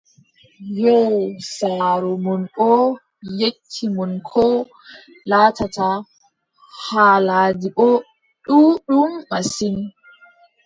Yoo saaro mon boo yecci mon koo laatata, haalaaji boo ɗuuɗɗum masin.